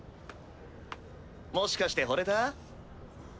もしかして惚れた？